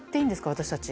私たち。